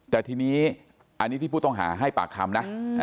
แต่ทีนี้อันนี้ที่ผู้ต้องหาให้ปากคำนะ